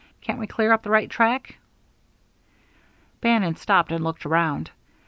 "Can't we clear up the right track?" Bannon stopped and looked around.